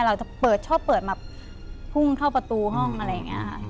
เราจะเปิดชอบเปิดมาพุ่งเข้าประตูห้องอะไรอย่างนี้ค่ะ